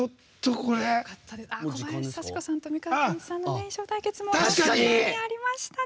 小林幸子さんと美川憲一さんの衣装対決もありましたね。